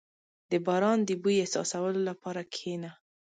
• د باران د بوی احساسولو لپاره کښېنه.